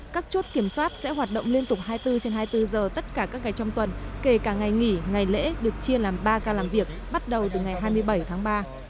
các chốt kiểm soát sẽ hoạt động liên tục hai mươi bốn trên hai mươi bốn giờ tất cả các ngày trong tuần kể cả ngày nghỉ ngày lễ được chia làm ba ca làm việc bắt đầu từ ngày hai mươi bảy tháng ba